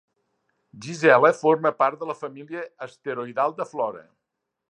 Gisela forma part de la família asteroidal de Flora.